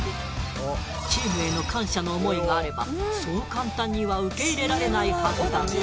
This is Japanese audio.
チームへの感謝の思いがあればそう簡単には受け入れられないはずだが。